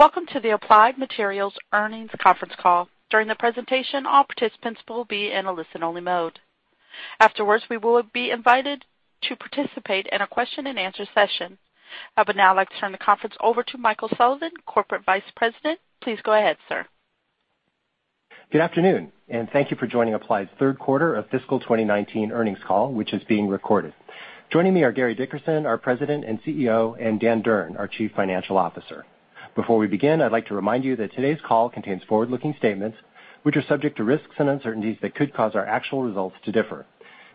Welcome to the Applied Materials Earnings conference call. During the presentation, all participants will be in a listen-only mode. Afterwards, we will be invited to participate in a question and answer session. I would now like to turn the conference over to Michael Sullivan, Corporate Vice President. Please go ahead, sir. Good afternoon, and thank you for joining Applied's third quarter of fiscal 2019 earnings call, which is being recorded. Joining me are Gary Dickerson, our President and CEO, and Dan Durn, our Chief Financial Officer. Before we begin, I'd like to remind you that today's call contains forward-looking statements, which are subject to risks and uncertainties that could cause our actual results to differ.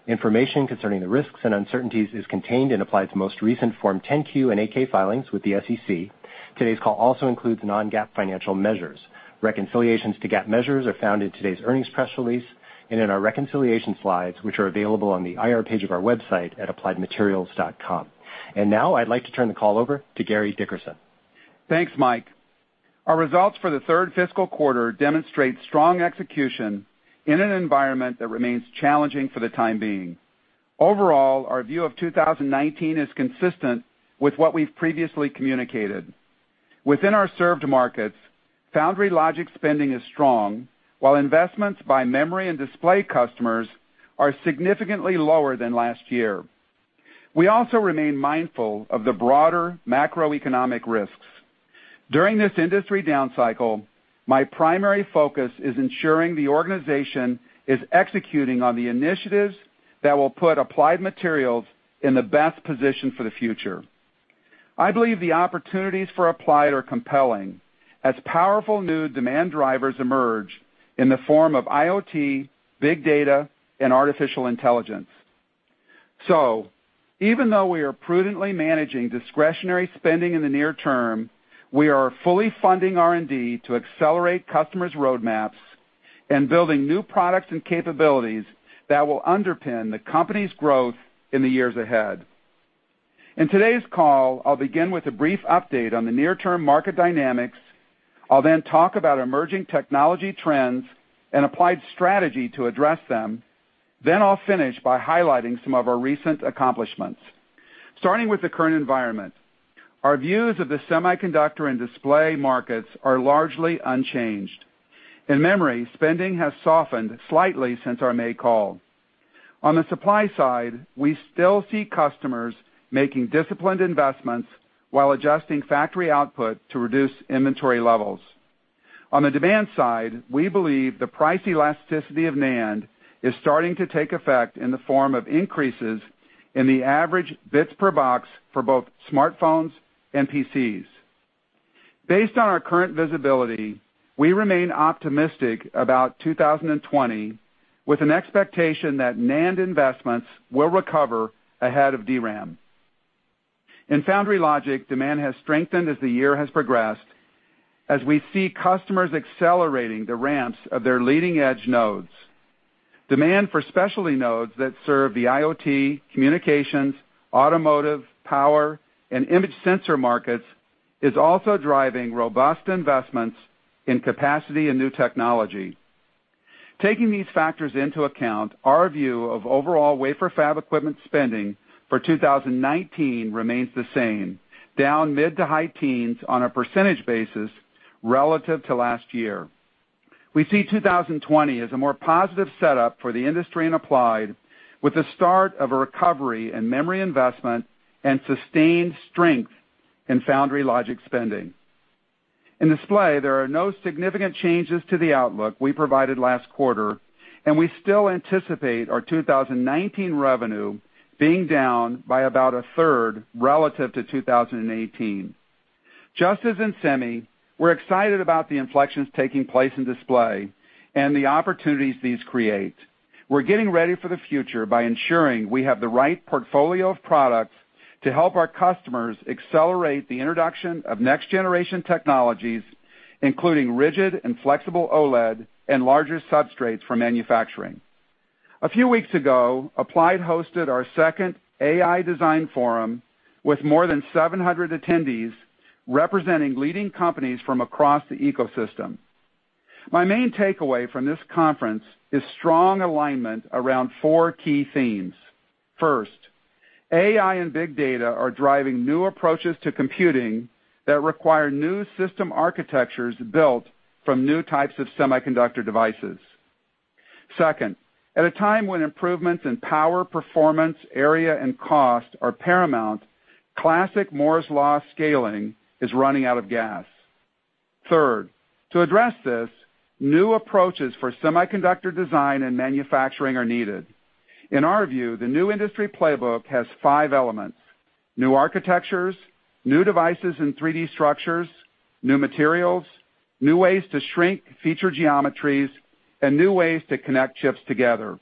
Information concerning the risks and uncertainties is contained in Applied's most recent Form 10-Q and 8-K filings with the SEC. Today's call also includes non-GAAP financial measures. Reconciliations to GAAP measures are found in today's earnings press release and in our reconciliation slides, which are available on the IR page of our website at appliedmaterials.com. Now I'd like to turn the call over to Gary Dickerson. Thanks, Mike. Our results for the third fiscal quarter demonstrate strong execution in an environment that remains challenging for the time being. Overall, our view of 2019 is consistent with what we've previously communicated. Within our served markets, foundry logic spending is strong, while investments by memory and display customers are significantly lower than last year. We also remain mindful of the broader macroeconomic risks. During this industry down cycle, my primary focus is ensuring the organization is executing on the initiatives that will put Applied Materials in the best position for the future. I believe the opportunities for Applied are compelling as powerful new demand drivers emerge in the form of IoT, big data, and artificial intelligence. Even though we are prudently managing discretionary spending in the near term, we are fully funding R&D to accelerate customers' roadmaps and building new products and capabilities that will underpin the company's growth in the years ahead. In today's call, I'll begin with a brief update on the near-term market dynamics. I'll talk about emerging technology trends and Applied's strategy to address them. I'll finish by highlighting some of our recent accomplishments. Starting with the current environment, our views of the semiconductor and display markets are largely unchanged. In memory, spending has softened slightly since our May call. On the supply side, we still see customers making disciplined investments while adjusting factory output to reduce inventory levels. On the demand side, we believe the price elasticity of NAND is starting to take effect in the form of increases in the average bits per box for both smartphones and PCs. Based on our current visibility, we remain optimistic about 2020, with an expectation that NAND investments will recover ahead of DRAM. In foundry logic, demand has strengthened as the year has progressed, as we see customers accelerating the ramps of their leading-edge nodes. Demand for specialty nodes that serve the IoT, communications, automotive, power, and image sensor markets is also driving robust investments in capacity and new technology. Taking these factors into account, our view of overall wafer fab equipment spending for 2019 remains the same, down mid to high teens on a percentage basis relative to last year. We see 2020 as a more positive setup for the industry and Applied with the start of a recovery in memory investment and sustained strength in foundry logic spending. In display, there are no significant changes to the outlook we provided last quarter, and we still anticipate our 2019 revenue being down by about a third relative to 2018. Just as in semi, we're excited about the inflections taking place in display and the opportunities these create. We're getting ready for the future by ensuring we have the right portfolio of products to help our customers accelerate the introduction of next-generation technologies, including rigid and flexible OLED and larger substrates for manufacturing. A few weeks ago, Applied hosted our second AI Design Forum with more than 700 attendees representing leading companies from across the ecosystem. My main takeaway from this conference is strong alignment around four key themes. AI and big data are driving new approaches to computing that require new system architectures built from new types of semiconductor devices. At a time when improvements in power, performance, area, and cost are paramount, classic Moore's law scaling is running out of gas. To address this, new approaches for semiconductor design and manufacturing are needed. In our view, the new industry playbook has 5 elements: new architectures, new devices and 3D structures, new materials, new ways to shrink feature geometries, and new ways to connect chips together.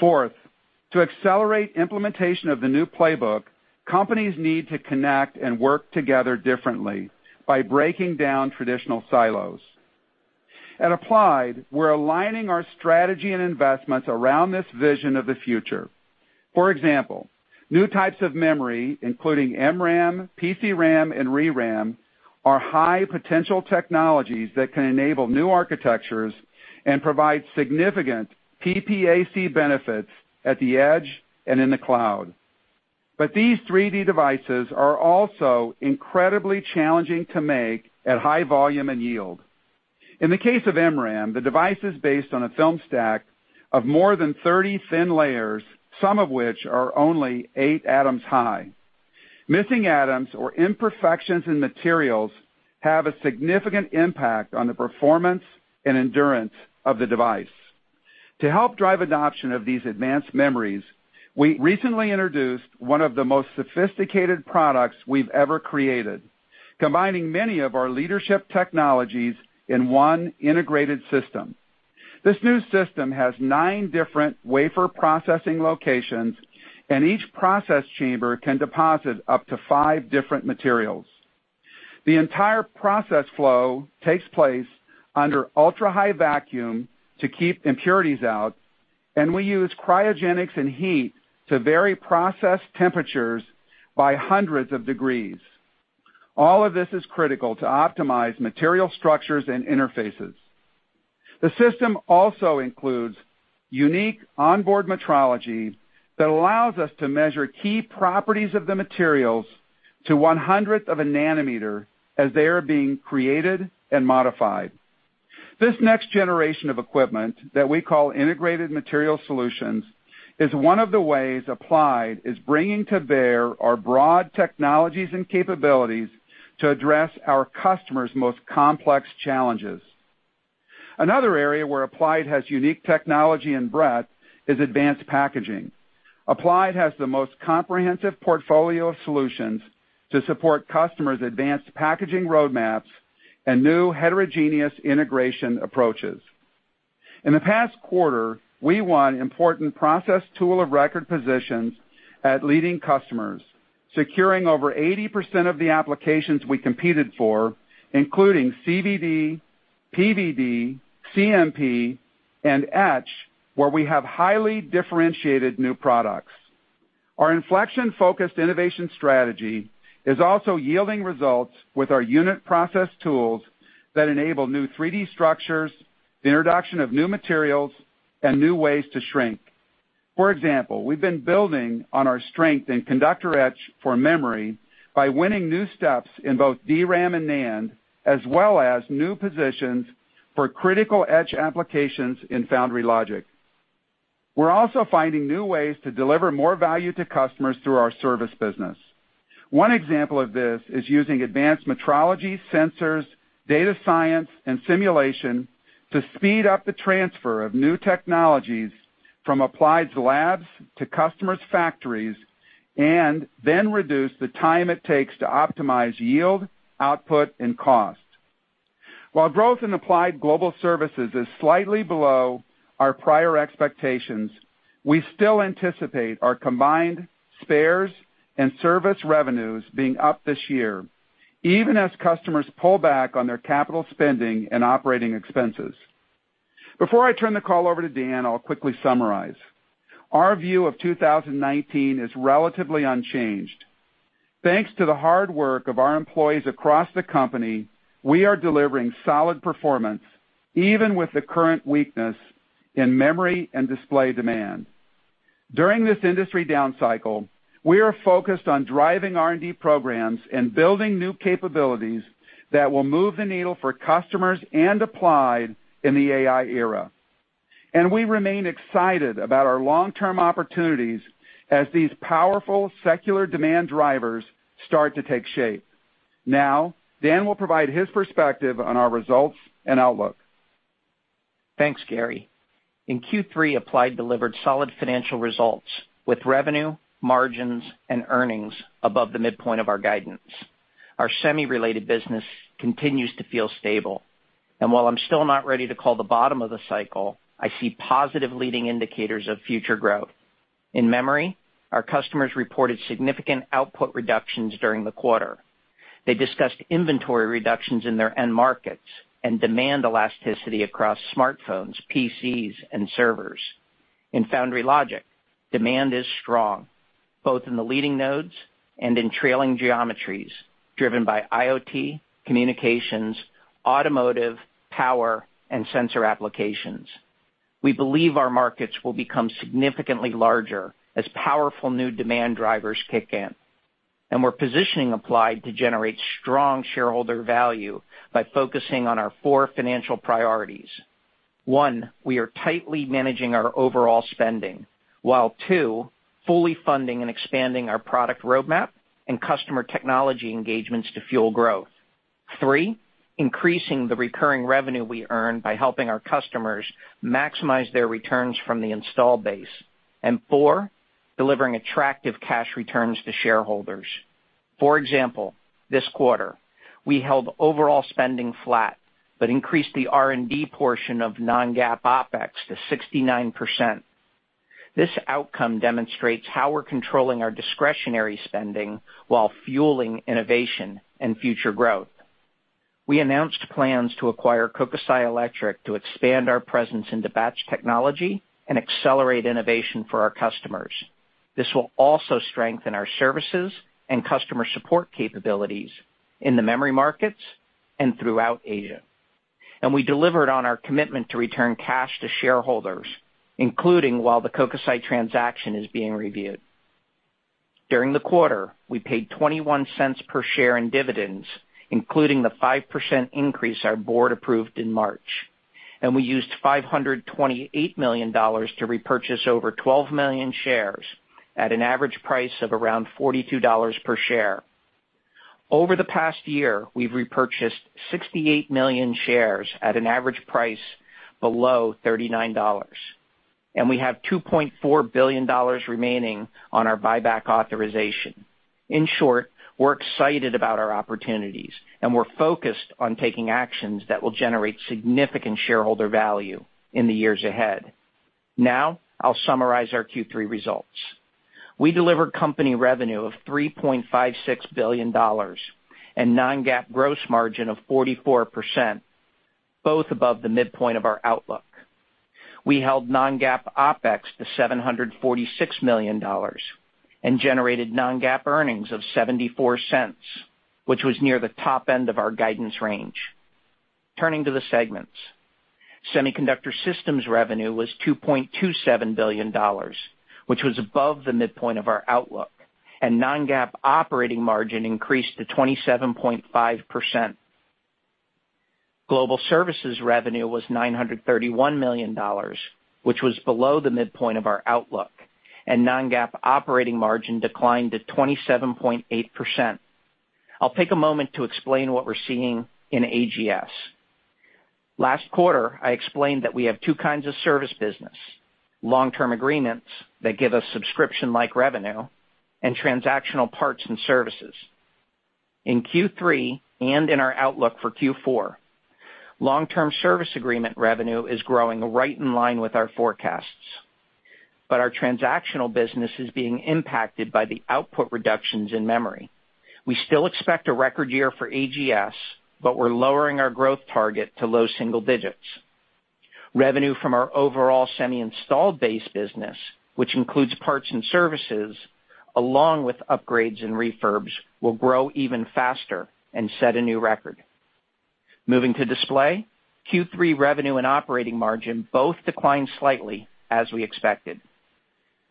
To accelerate implementation of the new playbook, companies need to connect and work together differently by breaking down traditional silos. At Applied, we're aligning our strategy and investments around this vision of the future. For example, new types of memory, including MRAM, PCRAM, and ReRAM are high potential technologies that can enable new architectures and provide significant PPAC benefits at the edge and in the cloud. These 3D devices are also incredibly challenging to make at high volume and yield. In the case of MRAM, the device is based on a film stack of more than 30 thin layers, some of which are only eight atoms high. Missing atoms or imperfections in materials have a significant impact on the performance and endurance of the device. To help drive adoption of these advanced memories, we recently introduced one of the most sophisticated products we've ever created, combining many of our leadership technologies in one integrated system. This new system has nine different wafer processing locations, and each process chamber can deposit up to five different materials. The entire process flow takes place under ultra-high vacuum to keep impurities out, and we use cryogenics and heat to vary process temperatures by hundreds of degrees. All of this is critical to optimize material structures and interfaces. The system also includes unique onboard metrology that allows us to measure key properties of the materials to one-hundredth of a nanometer as they are being created and modified. This next generation of equipment that we call Integrated Material Solutions is one of the ways Applied is bringing to bear our broad technologies and capabilities to address our customers' most complex challenges. Another area where Applied has unique technology and breadth is advanced packaging. Applied has the most comprehensive portfolio of solutions to support customers' advanced packaging roadmaps and new heterogeneous integration approaches. In the past quarter, we won important process tool of record positions at leading customers, securing over 80% of the applications we competed for, including CVD, PVD, CMP, and etch, where we have highly differentiated new products. Our inflection-focused innovation strategy is also yielding results with our unit process tools that enable new 3D structures, the introduction of new materials, and new ways to shrink. For example, we've been building on our strength in conductor etch for memory by winning new steps in both DRAM and NAND, as well as new positions for critical etch applications in foundry logic. We're also finding new ways to deliver more value to customers through our service business. One example of this is using advanced metrology sensors, data science, and simulation to speed up the transfer of new technologies from Applied's labs to customers' factories, and then reduce the time it takes to optimize yield, output, and cost. While growth in Applied Global Services is slightly below our prior expectations, we still anticipate our combined spares and service revenues being up this year, even as customers pull back on their capital spending and operating expenses. Before I turn the call over to Dan, I'll quickly summarize. Our view of 2019 is relatively unchanged. Thanks to the hard work of our employees across the company, we are delivering solid performance, even with the current weakness in memory and display demand. During this industry down cycle, we are focused on driving R&D programs and building new capabilities that will move the needle for customers and Applied in the AI era. We remain excited about our long-term opportunities as these powerful secular demand drivers start to take shape. Dan will provide his perspective on our results and outlook. Thanks, Gary. In Q3, Applied delivered solid financial results, with revenue, margins, and earnings above the midpoint of our guidance. Our semi-related business continues to feel stable, and while I'm still not ready to call the bottom of the cycle, I see positive leading indicators of future growth. In memory, our customers reported significant output reductions during the quarter. They discussed inventory reductions in their end markets and demand elasticity across smartphones, PCs, and servers. In foundry logic, demand is strong, both in the leading nodes and in trailing geometries, driven by IoT, communications, automotive, power, and sensor applications. We believe our markets will become significantly larger as powerful new demand drivers kick in. We're positioning Applied to generate strong shareholder value by focusing on our four financial priorities. One, we are tightly managing our overall spending, while two, fully funding and expanding our product roadmap and customer technology engagements to fuel growth. Three, increasing the recurring revenue we earn by helping our customers maximize their returns from the install base. Four, delivering attractive cash returns to shareholders. For example, this quarter, we held overall spending flat, but increased the R&D portion of non-GAAP OpEx to 69%. This outcome demonstrates how we're controlling our discretionary spending while fueling innovation and future growth. We announced plans to acquire KOKUSAI ELECTRIC to expand our presence into batch technology and accelerate innovation for our customers. This will also strengthen our services and customer support capabilities in the memory markets and throughout Asia. We delivered on our commitment to return cash to shareholders, including while the Kokusai transaction is being reviewed. During the quarter, we paid $0.21 per share in dividends, including the 5% increase our board approved in March. We used $528 million to repurchase over 12 million shares at an average price of around $42 per share. Over the past year, we've repurchased 68 million shares at an average price below $39, and we have $2.4 billion remaining on our buyback authorization. In short, we're excited about our opportunities, and we're focused on taking actions that will generate significant shareholder value in the years ahead. Now, I'll summarize our Q3 results. We delivered company revenue of $3.56 billion and non-GAAP gross margin of 44%, both above the midpoint of our outlook. We held non-GAAP OpEx to $746 million and generated non-GAAP earnings of $0.74, which was near the top end of our guidance range. Turning to the segments. Semiconductor Systems revenue was $2.27 billion, which was above the midpoint of our outlook, and non-GAAP operating margin increased to 27.5%. Global Services revenue was $931 million, which was below the midpoint of our outlook, and non-GAAP operating margin declined to 27.8%. I'll take a moment to explain what we're seeing in AGS. Last quarter, I explained that we have two kinds of service business, long-term agreements that give us subscription-like revenue, and transactional parts and services. In Q3, and in our outlook for Q4, long-term service agreement revenue is growing right in line with our forecasts. Our transactional business is being impacted by the output reductions in memory. We still expect a record year for AGS, but we're lowering our growth target to low single digits. Revenue from our overall semi-installed base business, which includes parts and services, along with upgrades and refurbs, will grow even faster and set a new record. Moving to Display, Q3 revenue and operating margin both declined slightly, as we expected.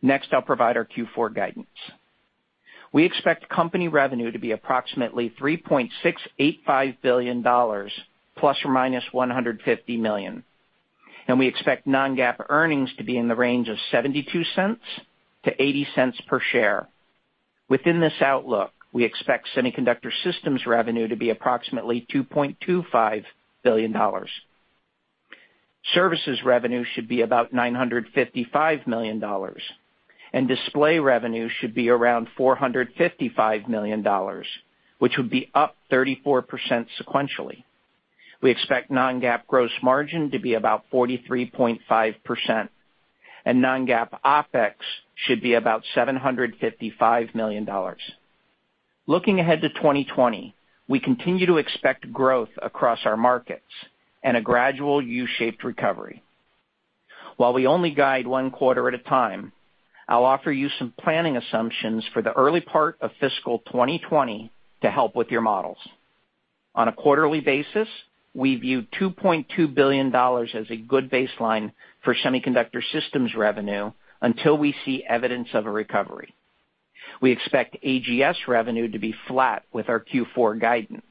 Next, I'll provide our Q4 guidance. We expect company revenue to be approximately $3.685 billion, ±$150 million, and we expect non-GAAP earnings to be in the range of $0.72-$0.80 per share. Within this outlook, we expect Semiconductor Systems revenue to be approximately $2.25 billion. Services revenue should be about $955 million, and Display revenue should be around $455 million, which would be up 34% sequentially. We expect non-GAAP gross margin to be about 43.5%, and non-GAAP OpEx should be about $755 million. Looking ahead to 2020, we continue to expect growth across our markets and a gradual U-shaped recovery. While we only guide one quarter at a time, I'll offer you some planning assumptions for the early part of fiscal 2020 to help with your models. On a quarterly basis, we view $2.2 billion as a good baseline for Semiconductor Systems revenue until we see evidence of a recovery. We expect AGS revenue to be flat with our Q4 guidance,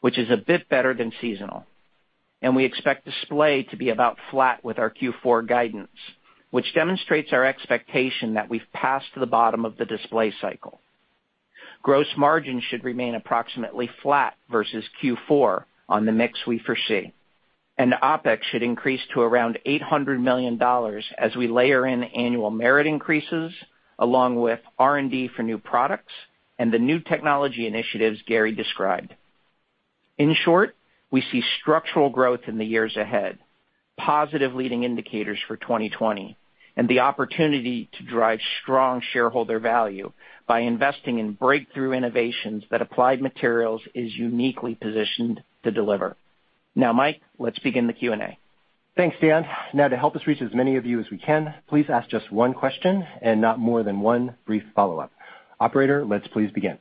which is a bit better than seasonal. We expect Display to be about flat with our Q4 guidance, which demonstrates our expectation that we've passed the bottom of the display cycle. Gross margin should remain approximately flat versus Q4 on the mix we foresee. OpEx should increase to around $800 million as we layer in annual merit increases, along with R&D for new products and the new technology initiatives Gary described. In short, we see structural growth in the years ahead, positive leading indicators for 2020, and the opportunity to drive strong shareholder value by investing in breakthrough innovations that Applied Materials is uniquely positioned to deliver. Mike, let's begin the Q&A. Thanks, Dan. Now, to help us reach as many of you as we can, please ask just one question and not more than one brief follow-up. Operator, let's please begin.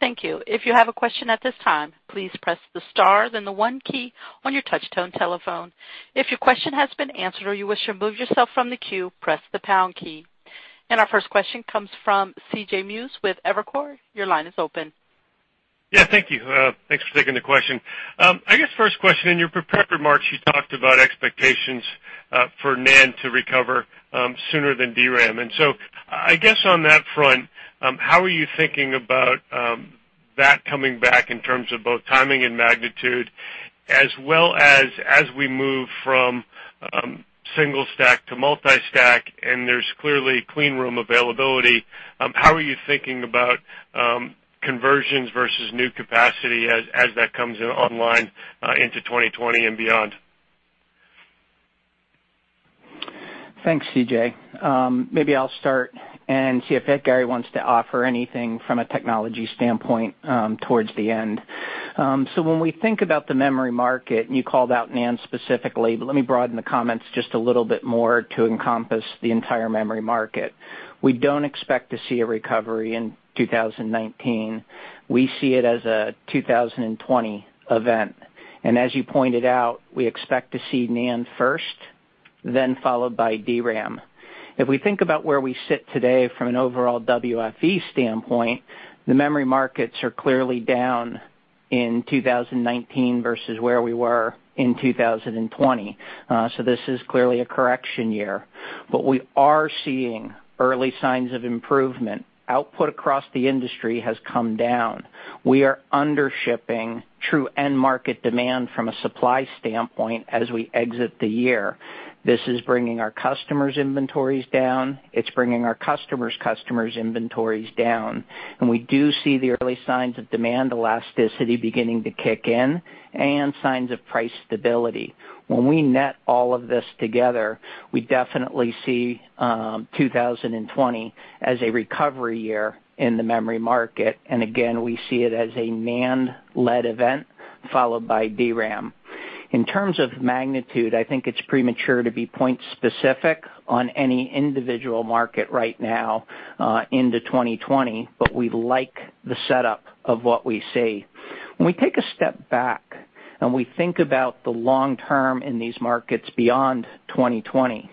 Thank you. If you have a question at this time, please press the star, then the 1 key on your touch tone telephone. If your question has been answered or you wish to remove yourself from the queue, press the pound key. Our first question comes from C.J. Muse with Evercore. Your line is open. Yeah, thank you. Thanks for taking the question. I guess first question, in your prepared remarks, you talked about expectations for NAND to recover sooner than DRAM. I guess on that front, how are you thinking about that coming back in terms of both timing and magnitude, as well as we move from single stack to multi-stack, and there's clearly clean room availability, how are you thinking about conversions versus new capacity as that comes online into 2020 and beyond? Thanks, CJ. Maybe I'll start and see if Gary wants to offer anything from a technology standpoint towards the end. When we think about the memory market, and you called out NAND specifically, but let me broaden the comments just a little bit more to encompass the entire memory market. We don't expect to see a recovery in 2019. We see it as a 2020 event. As you pointed out, we expect to see NAND first, then followed by DRAM. If we think about where we sit today from an overall WFE standpoint, the memory markets are clearly down in 2019 versus where we were in 2020. This is clearly a correction year. We are seeing early signs of improvement. Output across the industry has come down. We are under-shipping true end market demand from a supply standpoint as we exit the year. This is bringing our customers' inventories down. It's bringing our customers' customers' inventories down. We do see the early signs of demand elasticity beginning to kick in and signs of price stability. When we net all of this together, we definitely see 2020 as a recovery year in the memory market. Again, we see it as a NAND-led event, followed by DRAM. In terms of magnitude, I think it's premature to be point-specific on any individual market right now into 2020, but we like the setup of what we see. When we take a step back and we think about the long term in these markets beyond 2020,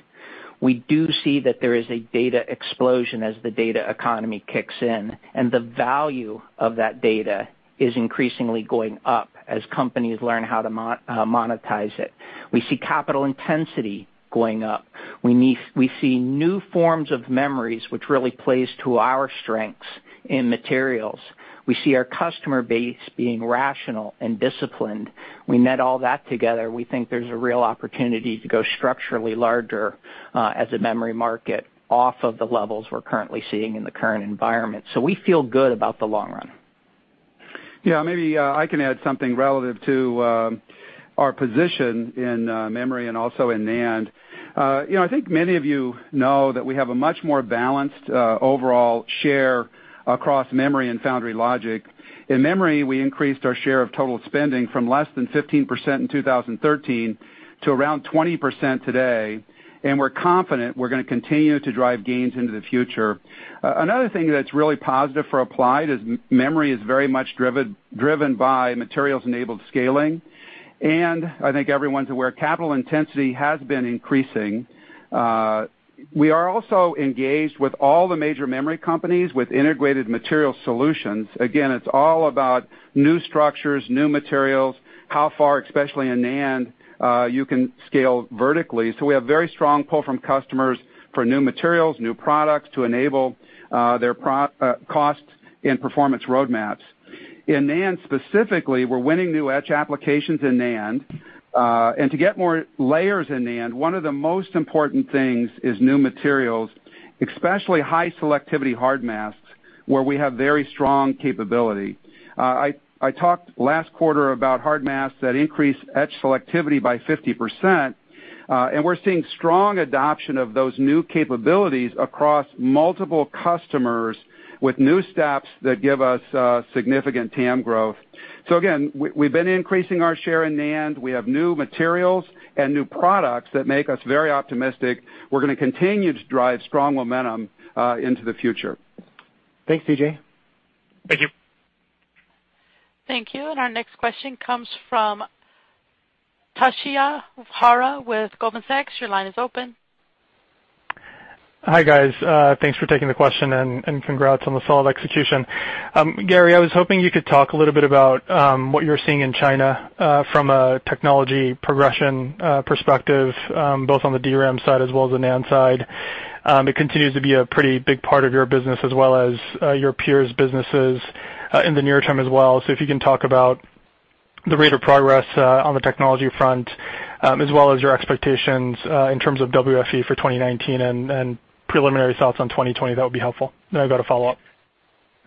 we do see that there is a data explosion as the data economy kicks in, and the value of that data is increasingly going up as companies learn how to monetize it. We see capital intensity going up. We see new forms of memories, which really plays to our strengths in materials. We see our customer base being rational and disciplined. We net all that together, we think there's a real opportunity to go structurally larger as a memory market off of the levels we're currently seeing in the current environment. We feel good about the long run. Maybe I can add something relative to our position in memory and also in NAND. I think many of you know that we have a much more balanced overall share across memory and foundry logic. In memory, we increased our share of total spending from less than 15% in 2013 to around 20% today, and we're confident we're going to continue to drive gains into the future. Another thing that's really positive for Applied is memory is very much driven by materials-enabled scaling. I think everyone's aware, capital intensity has been increasing. We are also engaged with all the major memory companies with Integrated Material Solutions. Again, it's all about new structures, new materials, how far, especially in NAND, you can scale vertically. We have very strong pull from customers for new materials, new products to enable their cost and performance roadmaps. In NAND specifically, we're winning new etch applications in NAND. To get more layers in NAND, one of the most important things is new materials, especially high selectivity hard mask, where we have very strong capability. I talked last quarter about hard mask that increase etch selectivity by 50%, and we're seeing strong adoption of those new capabilities across multiple customers with new steps that give us significant TAM growth. Again, we've been increasing our share in NAND. We have new materials and new products that make us very optimistic. We're going to continue to drive strong momentum into the future. Thanks, C.J. Thank you. Thank you. Our next question comes from Toshiya Hari with Goldman Sachs. Your line is open. Hi, guys. Thanks for taking the question and congrats on the solid execution. Gary, I was hoping you could talk a little bit about what you're seeing in China from a technology progression perspective, both on the DRAM side as well as the NAND side. It continues to be a pretty big part of your business as well as your peers' businesses in the near term as well. If you can talk about the rate of progress on the technology front as well as your expectations in terms of WFE for 2019 and preliminary thoughts on 2020, that would be helpful. I've got a follow-up.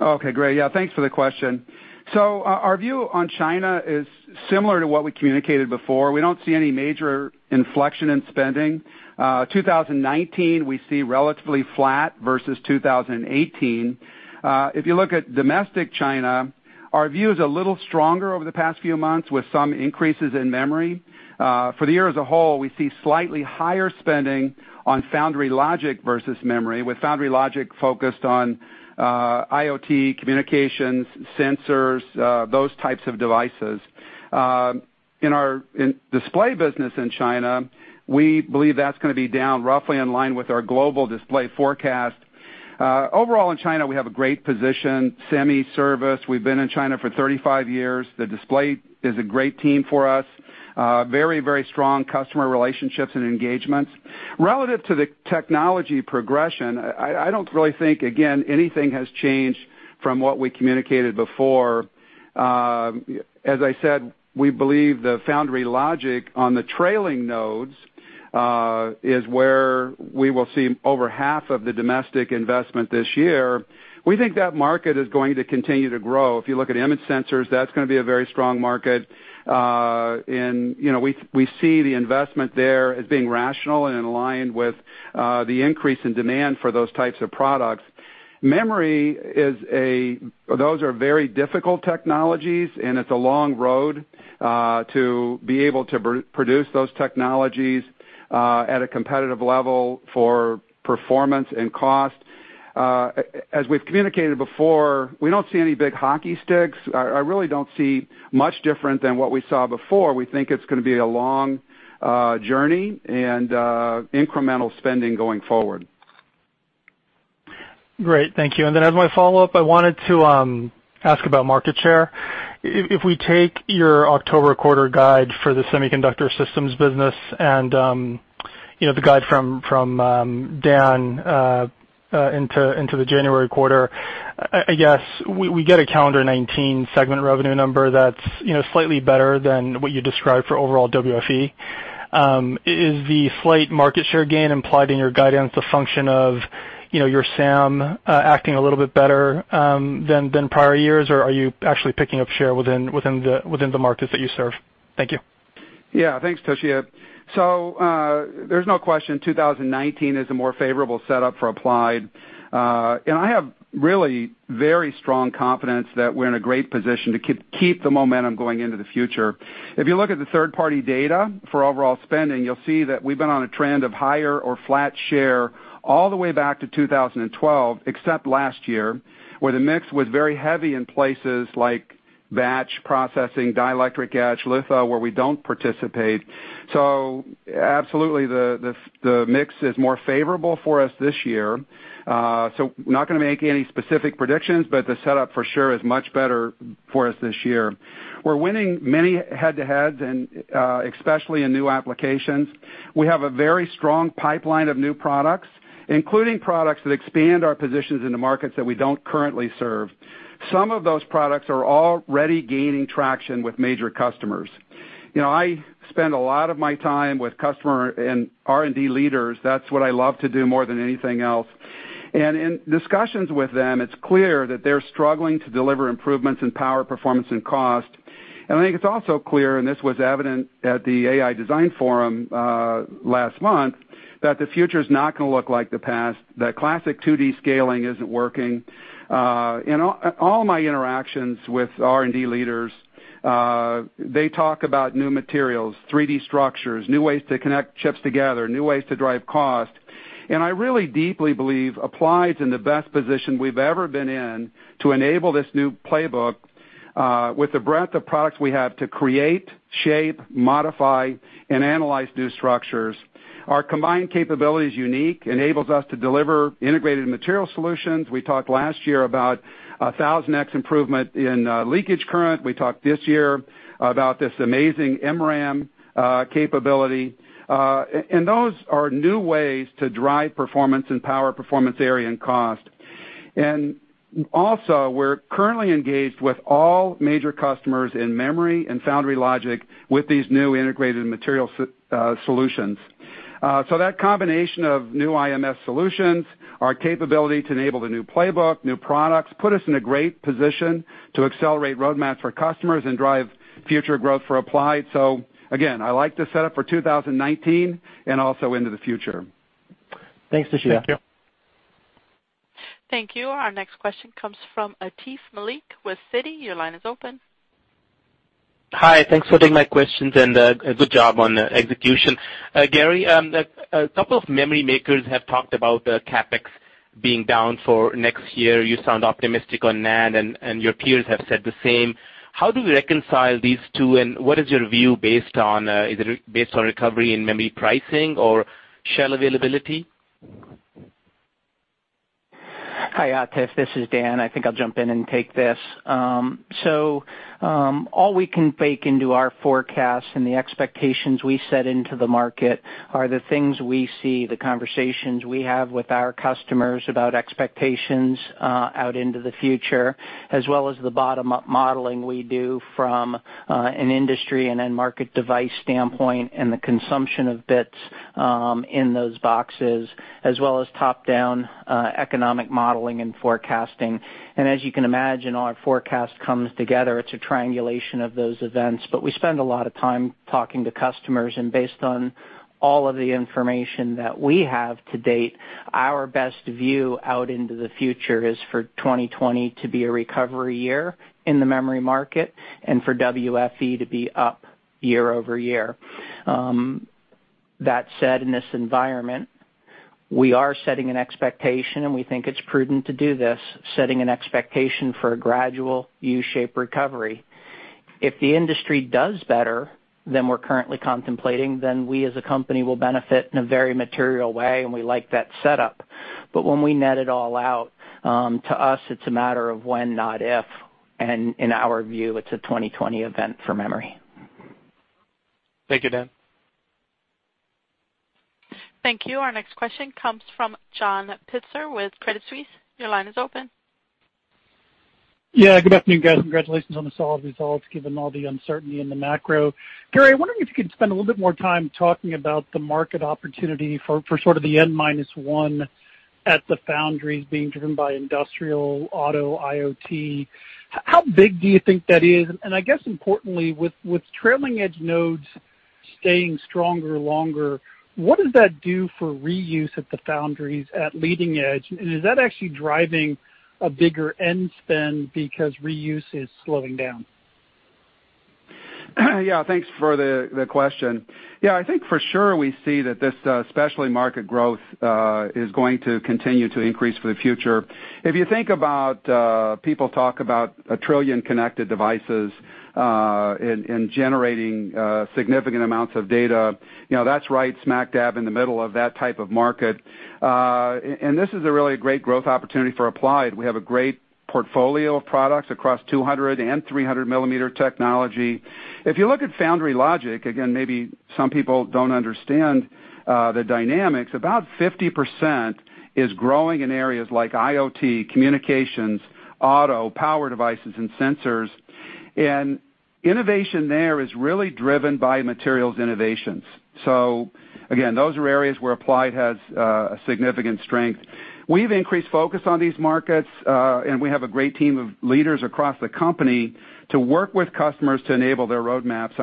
Okay, great. Yeah, thanks for the question. Our view on China is similar to what we communicated before. We don't see any major inflection in spending. 2019, we see relatively flat versus 2018. If you look at domestic China, our view is a little stronger over the past few months with some increases in memory. For the year as a whole, we see slightly higher spending on foundry logic versus memory, with foundry logic focused on IoT, communications, sensors, those types of devices. In our display business in China, we believe that's going to be down roughly in line with our global display forecast. Overall in China, we have a great position. Semi service, we've been in China for 35 years. The display is a great team for us. Very strong customer relationships and engagements. Relative to the technology progression, I don't really think, again, anything has changed from what we communicated before. As I said, we believe the foundry logic on the trailing nodes is where we will see over half of the domestic investment this year. We think that market is going to continue to grow. If you look at image sensors, that's going to be a very strong market. We see the investment there as being rational and aligned with the increase in demand for those types of products. Memory, those are very difficult technologies, and it's a long road to be able to produce those technologies at a competitive level for performance and cost. As we've communicated before, we don't see any big hockey sticks. I really don't see much different than what we saw before. We think it's going to be a long journey and incremental spending going forward. Great, thank you. Then as my follow-up, I wanted to ask about market share. If we take your October quarter guide for the Semiconductor Systems business and the guide from Dan into the January quarter, I guess we get a calendar 2019 segment revenue number that's slightly better than what you described for overall WFE. Is the slight market share gain implied in your guidance a function of your SAM acting a little bit better than prior years, or are you actually picking up share within the markets that you serve? Thank you. Yeah. Thanks, Toshiya. There's no question 2019 is a more favorable setup for Applied. I have really very strong confidence that we're in a great position to keep the momentum going into the future. If you look at the third-party data for overall spending, you'll see that we've been on a trend of higher or flat share all the way back to 2012, except last year, where the mix was very heavy in places like batch processing, dielectric etch litho, where we don't participate. Absolutely, the mix is more favorable for us this year. We're not going to make any specific predictions, but the setup for sure is much better for us this year. We're winning many head-to-heads, and especially in new applications. We have a very strong pipeline of new products, including products that expand our positions in the markets that we don't currently serve. Some of those products are already gaining traction with major customers. I spend a lot of my time with customer and R&D leaders. That's what I love to do more than anything else. In discussions with them, it's clear that they're struggling to deliver improvements in power, performance, and cost. I think it's also clear, and this was evident at the AI Design Forum last month, that the future's not going to look like the past. The classic 2D scaling isn't working. In all my interactions with R&D leaders, they talk about new materials, 3D structures, new ways to connect chips together, new ways to drive cost. I really deeply believe Applied's in the best position we've ever been in to enable this new playbook with the breadth of products we have to create, shape, modify, and analyze new structures. Our combined capability is unique, enables us to deliver Integrated Material Solutions. We talked last year about 1,000x improvement in leakage current. We talked this year about this amazing MRAM capability. Those are new ways to drive performance and power performance area and cost. Also, we're currently engaged with all major customers in memory and foundry logic with these new Integrated Material Solutions. That combination of new IMS solutions, our capability to enable the new playbook, new products, put us in a great position to accelerate roadmaps for customers and drive future growth for Applied. Again, I like the setup for 2019 and also into the future. Thanks, Toshiya. Thank you. Thank you. Our next question comes from Atif Malik with Citi. Your line is open. Hi. Thanks for taking my questions, and good job on the execution. Gary, a couple of memory makers have talked about the CapEx being down for next year. You sound optimistic on NAND, and your peers have said the same. How do we reconcile these two, and what is your view based on, is it based on recovery in memory pricing or share availability? Hi, Atif. This is Dan. I think I'll jump in and take this. All we can bake into our forecast and the expectations we set into the market are the things we see, the conversations we have with our customers about expectations out into the future, as well as the bottom-up modeling we do from an industry and end market device standpoint, and the consumption of bits in those boxes, as well as top-down economic modeling and forecasting. As you can imagine, our forecast comes together. It's a triangulation of those events, but we spend a lot of time talking to customers, and based on all of the information that we have to date, our best view out into the future is for 2020 to be a recovery year in the memory market and for WFE to be up year-over-year. That said, in this environment, we are setting an expectation, and we think it's prudent to do this, setting an expectation for a gradual U-shape recovery. If the industry does better than we're currently contemplating, then we as a company will benefit in a very material way, and we like that setup. When we net it all out, to us, it's a matter of when, not if, and in our view, it's a 2020 event for memory. Thank you, Dan. Thank you. Our next question comes from John Pitzer with Credit Suisse. Your line is open. Yeah. Good afternoon, guys. Congratulations on the solid results, given all the uncertainty in the macro. Gary, I wonder if you could spend a little bit more time talking about the market opportunity for sort of the N-1 at the foundries being driven by industrial auto IoT. How big do you think that is? I guess importantly, with trailing edge nodes staying stronger longer, what does that do for reuse at the foundries at leading edge? Is that actually driving a bigger end spend because reuse is slowing down? Yeah, thanks for the question. Yeah, I think for sure we see that this specialty market growth is going to continue to increase for the future. If you think about people talk about a trillion connected devices, and generating significant amounts of data, that's right smack dab in the middle of that type of market. This is a really great growth opportunity for Applied. We have a great portfolio of products across 200 and 300 millimeter technology. If you look at foundry logic, again, maybe some people don't understand the dynamics. About 50% is growing in areas like IoT, communications, auto, power devices, and sensors. Innovation there is really driven by materials innovations. Again, those are areas where Applied has a significant strength. We've increased focus on these markets, and we have a great team of leaders across the company to work with customers to enable their roadmaps.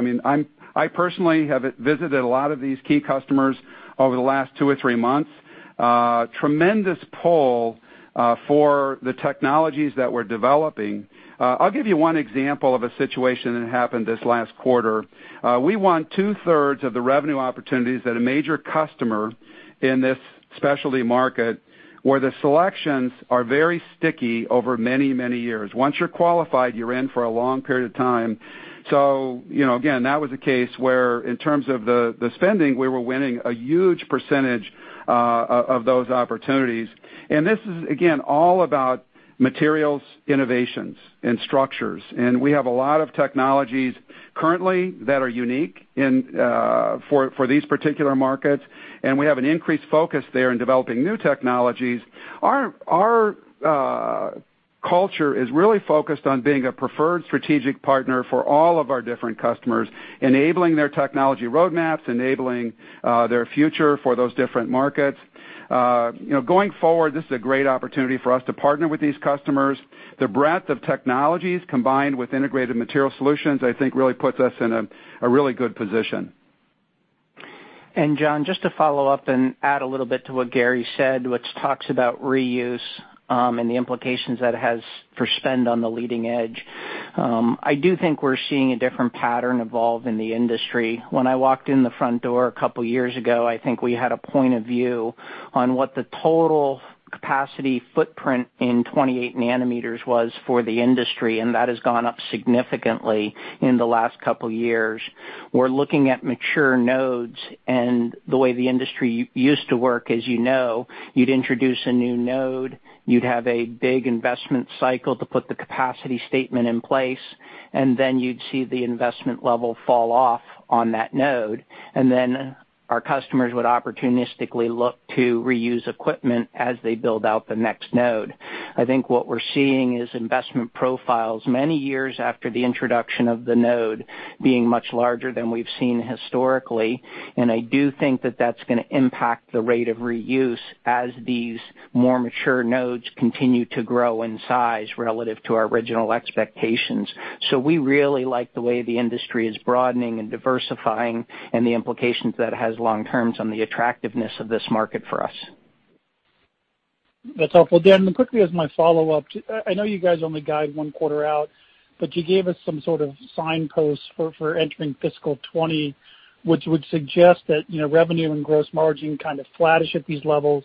I personally have visited a lot of these key customers over the last two or three months. Tremendous pull for the technologies that we're developing. I'll give you one example of a situation that happened this last quarter. We want 2/3 of the revenue opportunities that a major customer in this specialty market, where the selections are very sticky over many, many years. Once you're qualified, you're in for a long period of time. Again, that was a case where in terms of the spending, we were winning a huge % of those opportunities. This is, again, all about materials, innovations, and structures. We have a lot of technologies currently that are unique for these particular markets, and we have an increased focus there in developing new technologies. Our culture is really focused on being a preferred strategic partner for all of our different customers, enabling their technology roadmaps, enabling their future for those different markets. Going forward, this is a great opportunity for us to partner with these customers. The breadth of technologies combined with Integrated Material Solutions, I think, really puts us in a really good position. John, just to follow up and add a little bit to what Gary said, which talks about reuse, and the implications that it has for spend on the leading edge. I do think we're seeing a different pattern evolve in the industry. When I walked in the front door a couple of years ago, I think we had a point of view on what the total capacity footprint in 28 nanometer was for the industry, and that has gone up significantly in the last couple of years. We're looking at mature nodes and the way the industry used to work, as you know, you'd introduce a new node, you'd have a big investment cycle to put the capacity statement in place, and then you'd see the investment level fall off on that node. Our customers would opportunistically look to reuse equipment as they build out the next node. I think what we're seeing is investment profiles many years after the introduction of the node being much larger than we've seen historically. I do think that that's going to impact the rate of reuse as these more mature nodes continue to grow in size relative to our original expectations. We really like the way the industry is broadening and diversifying and the implications that it has long-term on the attractiveness of this market for us. That's helpful. Dan, quickly as my follow-up, I know you guys only guide one quarter out, but you gave us some sort of signpost for entering fiscal 2020, which would suggest that revenue and gross margin kind of flattish at these levels,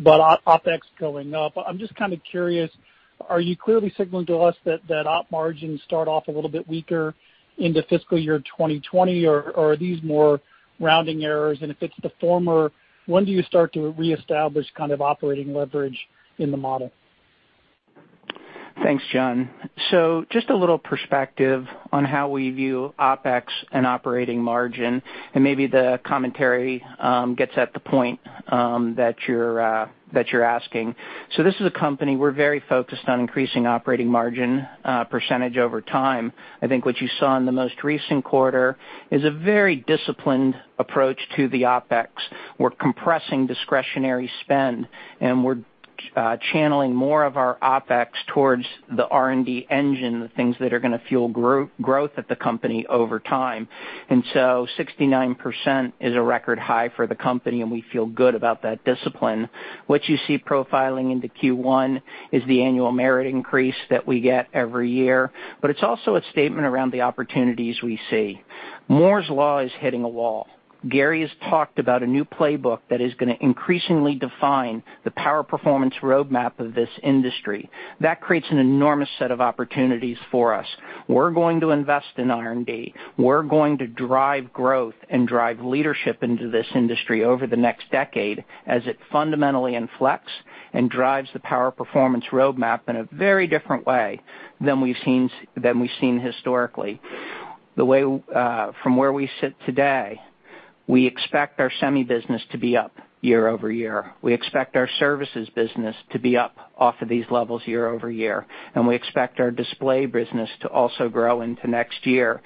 but OpEx going up. I'm just kind of curious, are you clearly signaling to us that op margins start off a little bit weaker into fiscal year 2020, or are these more rounding errors? If it's the former, when do you start to reestablish kind of operating leverage in the model? Thanks, John. Just a little perspective on how we view OpEx and operating margin, and maybe the commentary gets at the point that you're asking. This is a company, we're very focused on increasing operating margin percentage over time. I think what you saw in the most recent quarter is a very disciplined approach to the OpEx. We're compressing discretionary spend, and we're channeling more of our OpEx towards the R&D engine, the things that are going to fuel growth at the company over time. 69% is a record high for the company, and we feel good about that discipline. What you see profiling into Q1 is the annual merit increase that we get every year, but it's also a statement around the opportunities we see. Moore's Law is hitting a wall. Gary has talked about a new playbook that is going to increasingly define the power performance roadmap of this industry. That creates an enormous set of opportunities for us. We're going to invest in R&D. We're going to drive growth and drive leadership into this industry over the next decade as it fundamentally inflects and drives the power performance roadmap in a very different way than we've seen historically. From where we sit today, we expect our semi business to be up year-over-year. We expect our services business to be up off of these levels year-over-year. We expect our display business to also grow into next year.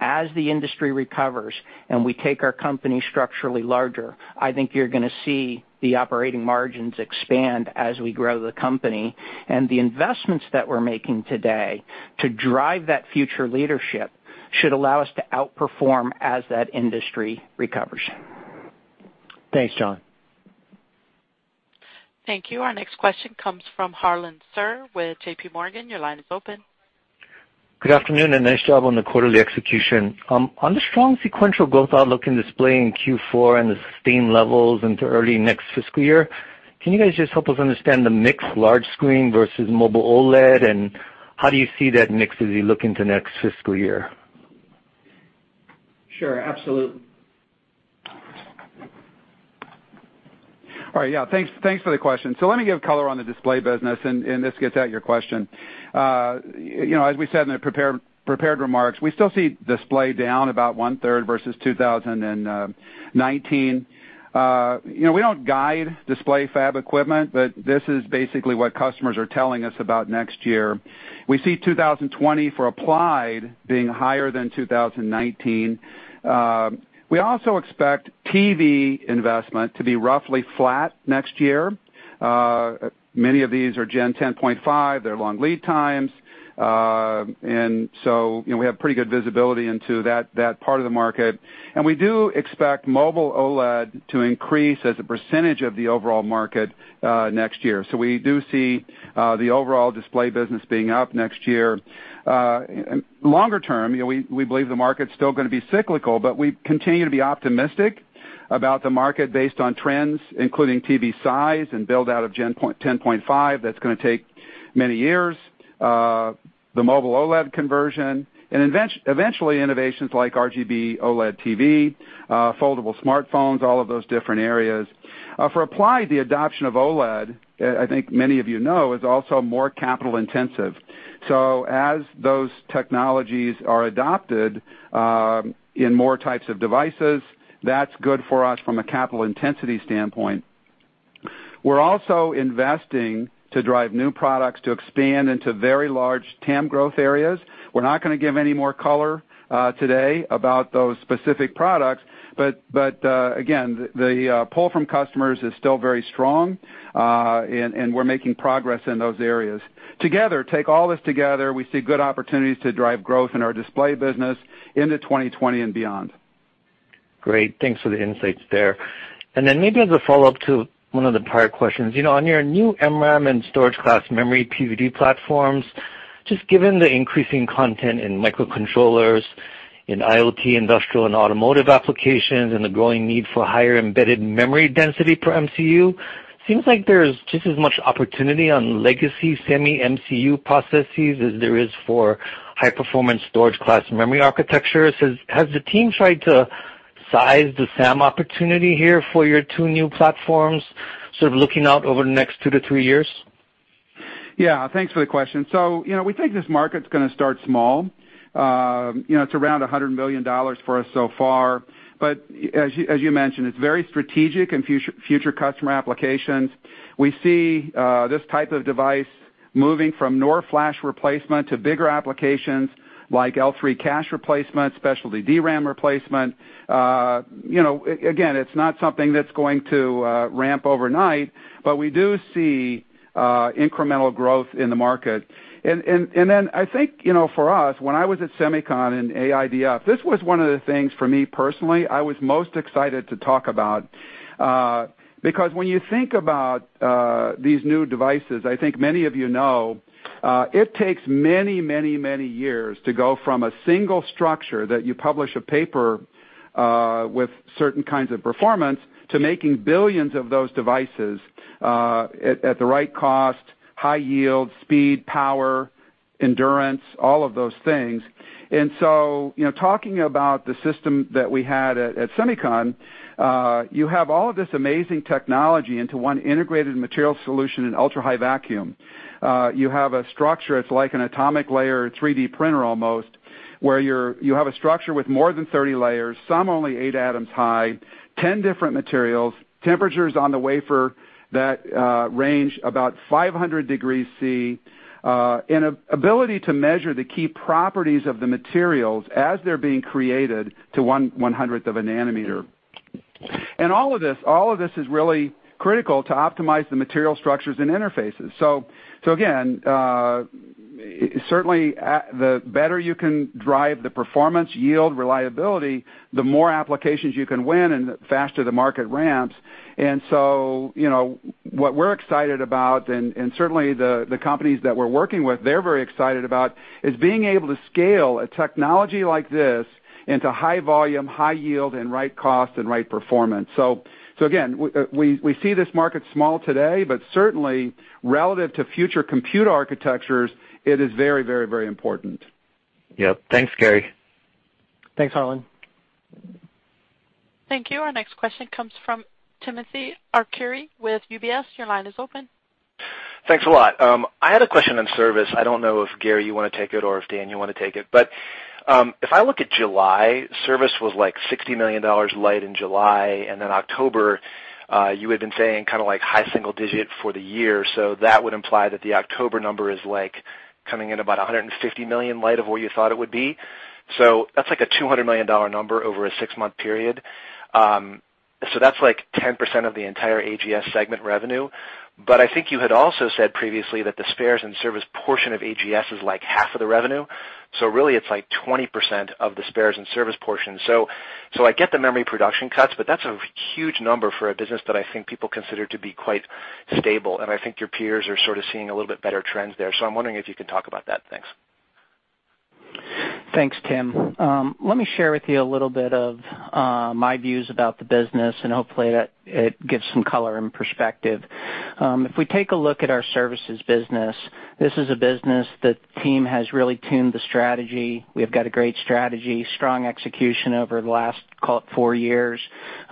As the industry recovers and we take our company structurally larger, I think you're going to see the operating margins expand as we grow the company. The investments that we're making today to drive that future leadership should allow us to outperform as that industry recovers. Thanks, John. Thank you. Our next question comes from Harlan Sur with J.P. Morgan. Your line is open. Good afternoon, nice job on the quarterly execution. On the strong sequential growth outlook in display in Q4 and the sustained levels into early next fiscal year, can you guys just help us understand the mix large screen versus mobile OLED? How do you see that mix as you look into next fiscal year? Sure. Absolutely. All right. Yeah. Thanks for the question. Let me give color on the display business, and this gets at your question. As we said in the prepared remarks, we still see display down about one-third versus 2019. We don't guide display fab equipment, but this is basically what customers are telling us about next year. We see 2020 for Applied being higher than 2019. We also expect TV investment to be roughly flat next year. Many of these are Gen 10.5. They're long lead times. We have pretty good visibility into that part of the market. We do expect mobile OLED to increase as a % of the overall market next year. We do see the overall display business being up next year. Longer term, we believe the market's still going to be cyclical, but we continue to be optimistic about the market based on trends, including TV size and build-out of Gen 10.5, that's going to take many years, the mobile OLED conversion, and eventually, innovations like RGB OLED TV, foldable smartphones, all of those different areas. For Applied, the adoption of OLED, I think many of you know, is also more capital-intensive. As those technologies are adopted in more types of devices, that's good for us from a capital intensity standpoint. We're also investing to drive new products to expand into very large TAM growth areas. We're not going to give any more color today about those specific products, but again, the pull from customers is still very strong, and we're making progress in those areas. Together, take all this together, we see good opportunities to drive growth in our display business into 2020 and beyond. Great. Thanks for the insights there. Then maybe as a follow-up to one of the prior questions, on your new MRAM and storage class memory PVD platforms, just given the increasing content in microcontrollers in IoT, industrial, and automotive applications and the growing need for higher embedded memory density per MCU, seems like there's just as much opportunity on legacy semi-MCU processes as there is for high-performance storage class memory architectures. Has the team tried to size the SAM opportunity here for your two new platforms, sort of looking out over the next two to three years? Thanks for the question. We think this market's going to start small. It's around $100 million for us so far. As you mentioned, it's very strategic in future customer applications. We see this type of device moving from NOR flash replacement to bigger applications like L3 cache replacement, specialty DRAM replacement. Again, it's not something that's going to ramp overnight, but we do see incremental growth in the market. I think, for us, when I was at SEMICON in AIDF, this was one of the things for me personally, I was most excited to talk about. When you think about these new devices, I think many of you know, it takes many years to go from a single structure that you publish a paper with certain kinds of performance to making billions of those devices at the right cost, high yield, speed, power, endurance, all of those things. Talking about the system that we had at SEMICON, you have all of this amazing technology into one Integrated Material Solutions in ultra-high vacuum. You have a structure, it's like an atomic layer 3D printer almost, where you have a structure with more than 30 layers, some only eight atoms high, 10 different materials, temperatures on the wafer that range about 500 degrees C, and an ability to measure the key properties of the materials as they're being created to one one-hundredth of a nanometer. All of this is really critical to optimize the material structures and interfaces. Again, certainly, the better you can drive the performance, yield, reliability, the more applications you can win and the faster the market ramps. What we're excited about, and certainly the companies that we're working with, they're very excited about, is being able to scale a technology like this into high volume, high yield, and right cost and right performance. Again, we see this market small today, but certainly, relative to future computer architectures, it is very important. Yep. Thanks, Gary. Thanks, Harlan. Thank you. Our next question comes from Timothy Arcuri with UBS. Your line is open. Thanks a lot. I had a question on service. I don't know if Gary, you want to take it, or if Dan, you want to take it. If I look at July, service was like $60 million light in July, and then October, you had been saying kind of like high single-digit for the year. That would imply that the October number is coming in about $150 million light of where you thought it would be. That's like a $200 million number over a six-month period. That's like 10% of the entire AGS segment revenue. I think you had also said previously that the spares and service portion of AGS is like half of the revenue. Really it's like 20% of the spares and service portion. I get the memory production cuts, but that's a huge number for a business that I think people consider to be quite stable, and I think your peers are sort of seeing a little bit better trends there. I'm wondering if you can talk about that. Thanks. Thanks, Tim. Let me share with you a little bit of my views about the business, and hopefully it gives some color and perspective. If we take a look at our services business, this is a business the team has really tuned the strategy. We've got a great strategy, strong execution over the last, call it, four years.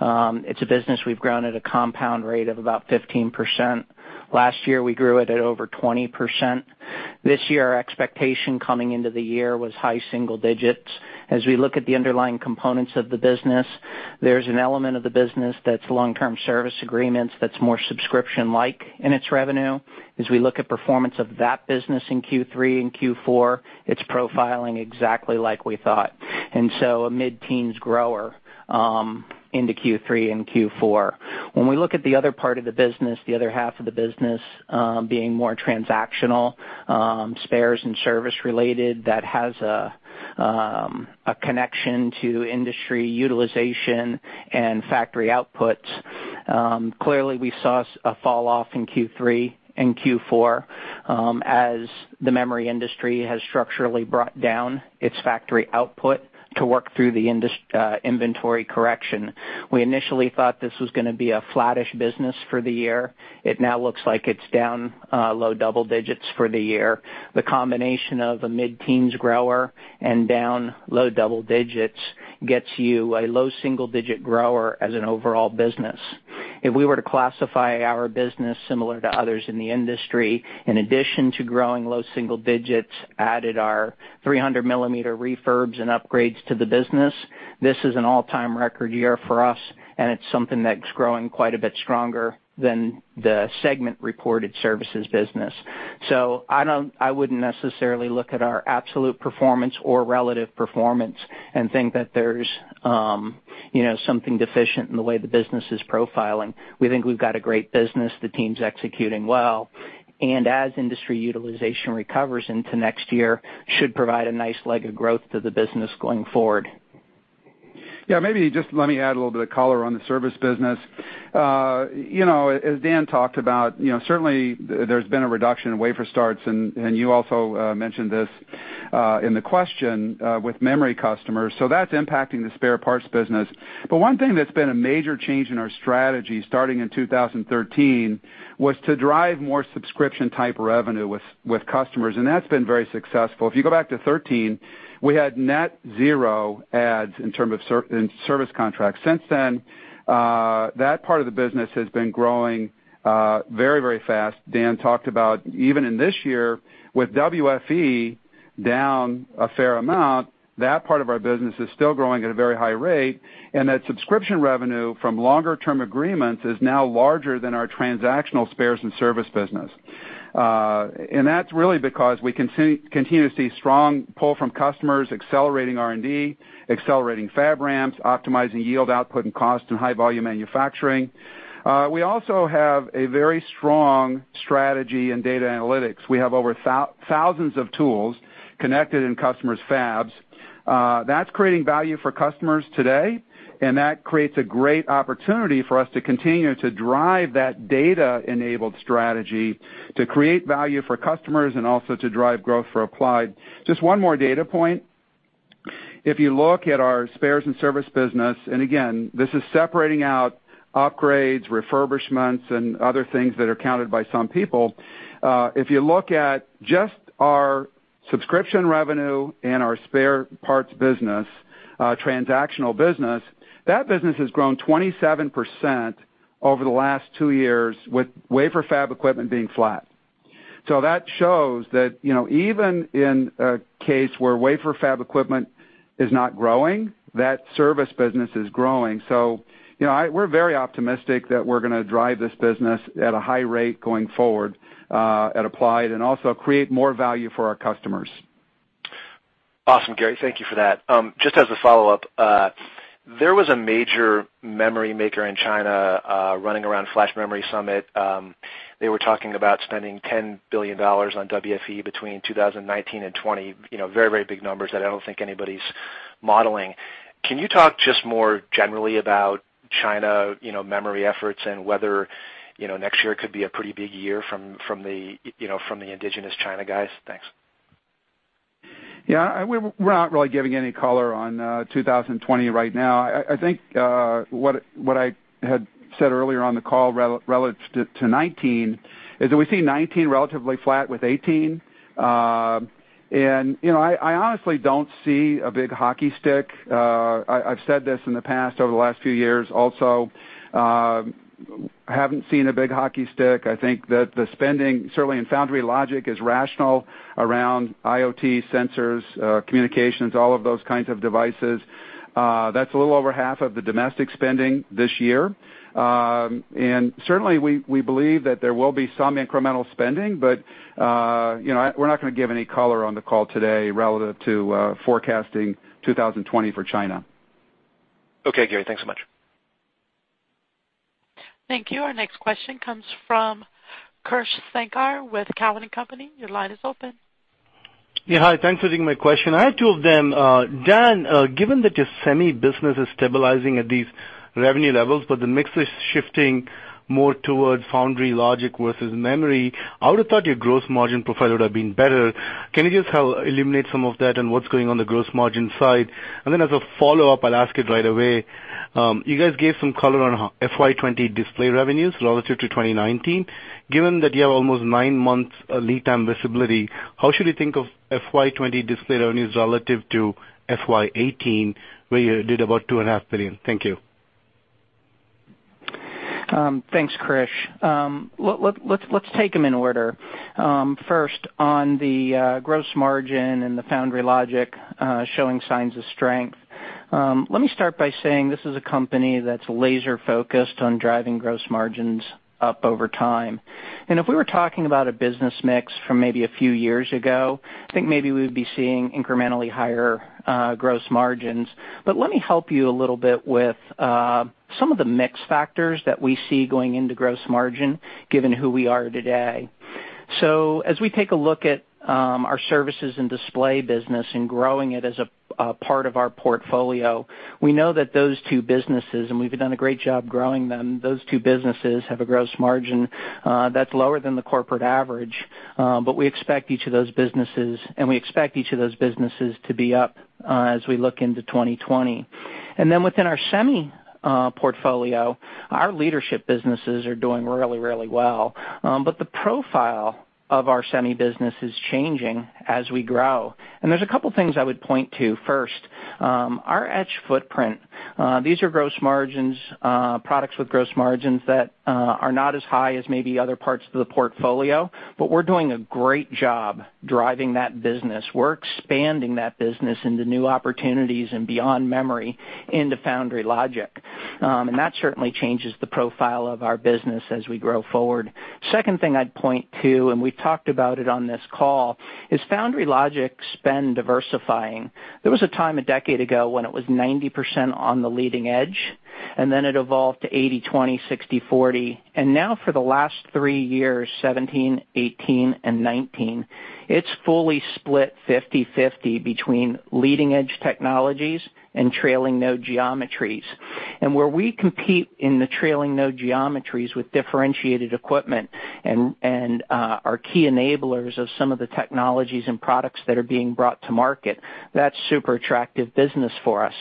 It's a business we've grown at a compound rate of about 15%. Last year, we grew it at over 20%. This year, our expectation coming into the year was high single digits. As we look at the underlying components of the business, there's an element of the business that's long-term service agreements that's more subscription-like in its revenue. As we look at performance of that business in Q3 and Q4, it's profiling exactly like we thought, a mid-teens grower into Q3 and Q4. When we look at the other part of the business, the other half of the business being more transactional, spares and service-related, that has a connection to industry utilization and factory outputs. Clearly we saw a fall-off in Q3 and Q4 as the memory industry has structurally brought down its factory output to work through the inventory correction. We initially thought this was going to be a flattish business for the year. It now looks like it is down low double digits for the year. The combination of a mid-teens grower and down low double digits gets you a low single-digit grower as an overall business. If we were to classify our business similar to others in the industry, in addition to growing low single digits, added our 300-millimeter refurbs and upgrades to the business, this is an all-time record year for us, and it's something that's growing quite a bit stronger than the segment-reported services business. I wouldn't necessarily look at our absolute performance or relative performance and think that there's something deficient in the way the business is profiling. We think we've got a great business. The team's executing well, and as industry utilization recovers into next year, should provide a nice leg of growth to the business going forward. Yeah, maybe just let me add a little bit of color on the service business. As Dan talked about, certainly there's been a reduction in wafer starts, and you also mentioned this in the question with memory customers, so that's impacting the spare parts business. One thing that's been a major change in our strategy starting in 2013, was to drive more subscription-type revenue with customers, and that's been very successful. If you go back to '13, we had net zero adds in service contracts. Since then, that part of the business has been growing very fast. Dan talked about even in this year with WFE down a fair amount, that part of our business is still growing at a very high rate, and that subscription revenue from longer-term agreements is now larger than our transactional spares and service business. That's really because we continue to see strong pull from customers accelerating R&D, accelerating fab ramps, optimizing yield output and cost in high-volume manufacturing. We also have a very strong strategy in data analytics. We have over thousands of tools connected in customers' fabs. That's creating value for customers today, and that creates a great opportunity for us to continue to drive that data-enabled strategy to create value for customers and also to drive growth for Applied. Just one more data point. If you look at our spares and service business, and again, this is separating out upgrades, refurbishments, and other things that are counted by some people. If you look at just our subscription revenue and our spare parts business, transactional business, that business has grown 27% over the last two years with wafer fab equipment being flat. That shows that even in a case where wafer fab equipment is not growing, that service business is growing. We're very optimistic that we're going to drive this business at a high rate going forward at Applied and also create more value for our customers. Awesome, Gary, thank you for that. Just as a follow-up, there was a major memory maker in China running around Flash Memory Summit. They were talking about spending $10 billion on WFE between 2019 and 2020. Very big numbers that I don't think anybody's modeling. Can you talk just more generally about China memory efforts and whether next year could be a pretty big year from the indigenous China guys? Thanks. Yeah, we're not really giving any color on 2020 right now. I think what I had said earlier on the call relative to 2019 is that we see 2019 relatively flat with 2018. I honestly don't see a big hockey stick. I've said this in the past, over the last few years also, haven't seen a big hockey stick. I think that the spending, certainly in foundry logic, is rational around IoT sensors, communications, all of those kinds of devices. That's a little over half of the domestic spending this year. Certainly, we believe that there will be some incremental spending, but we're not going to give any color on the call today relative to forecasting 2020 for China. Okay, Gary. Thanks so much. Thank you. Our next question comes from Krish Sankar with Cowen and Company. Your line is open. Hi, thanks for taking my question. I have two of them. Dan, given that your semi business is stabilizing at these revenue levels, but the mix is shifting more towards foundry logic versus memory, I would've thought your gross margin profile would have been better. Can you just help illuminate some of that and what's going on the gross margin side? As a follow-up, I'll ask it right away. You guys gave some color on FY 2020 display revenues relative to 2019. Given that you have almost nine months lead time visibility, how should we think of FY 2020 display revenues relative to FY 2018, where you did about two and a half billion? Thank you. Thanks, Krish. Let's take them in order. First, on the gross margin and the foundry logic showing signs of strength. Let me start by saying this is a company that's laser-focused on driving gross margins up over time. If we were talking about a business mix from maybe a few years ago, I think maybe we would be seeing incrementally higher gross margins. Let me help you a little bit with some of the mix factors that we see going into gross margin, given who we are today. As we take a look at our services and display business and growing it as a part of our portfolio, we know that those two businesses, and we've done a great job growing them, those two businesses have a gross margin that's lower than the corporate average. We expect each of those businesses to be up as we look into 2020. Then within our Semi portfolio, our leadership businesses are doing really well. The profile of our Semi business is changing as we grow. There's a couple things I would point to. First, our etch footprint. These are products with gross margins that are not as high as maybe other parts of the portfolio, but we're doing a great job driving that business. We're expanding that business into new opportunities and beyond memory into foundry logic. That certainly changes the profile of our business as we grow forward. Second thing I'd point to, and we talked about it on this call, is foundry logic spend diversifying. There was a time a decade ago when it was 90% on the leading edge. Then it evolved to 80/20, 60/40, and now for the last three years, 2017, 2018, and 2019, it's fully split 50/50 between leading-edge technologies and trailing node geometries. Where we compete in the trailing node geometries with differentiated equipment and are key enablers of some of the technologies and products that are being brought to market, that's super attractive business for us.